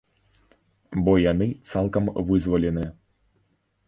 Бо яны цалкам вызваленыя.